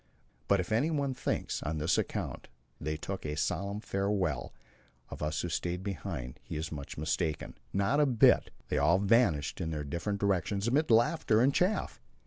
But if anyone thinks that on this account they took a solemn farewell of us who stayed behind, he is much mistaken. Not a bit; they all vanished in their different directions amid laughter and chaff.